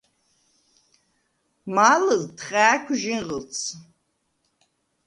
მა̄ლჷლდდ ხა̄̈ქუ̂ ჟინღჷლდს: